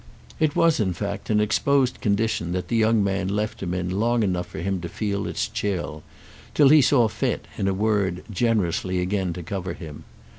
It was in fact an exposed condition that the young man left him in long enough for him to feel its chill—till he saw fit, in a word, generously again to cover him.